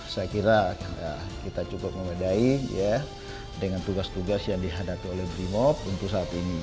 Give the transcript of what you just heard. saya kira kita cukup memadai dengan tugas tugas yang dihadapi oleh brimop untuk saat ini